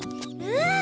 うん！